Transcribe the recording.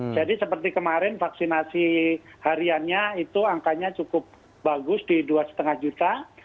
jadi seperti kemarin vaksinasi hariannya itu angkanya cukup bagus di dua lima juta